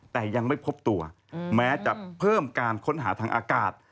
แต่ยังไม่พบตัวแม้จะเพิ่มการค้นหาทางอากาศ